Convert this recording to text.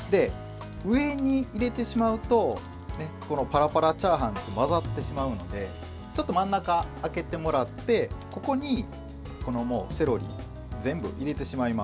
上に入れてしまうとパラパラチャーハンと混ざってしまうのでちょっと真ん中を空けてもらってここにセロリ全部入れてしまいます。